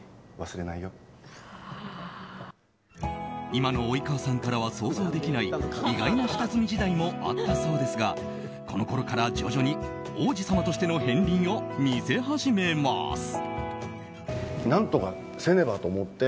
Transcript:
今の及川さんからは想像できない意外な下積み時代もあったそうですがこのころから徐々に王子様としての片鱗を見せ始めます。